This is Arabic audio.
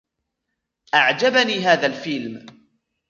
أعجبني هذا الفيلم.